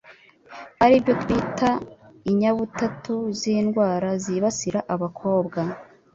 aribyo twita Inyabutatu z'indwara zibasira abakobwa